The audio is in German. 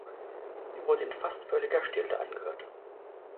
Sie wurde fast in völliger Stille angehört.